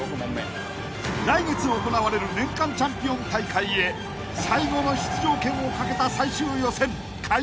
［来月行われる年間チャンピオン大会へ最後の出場権をかけた］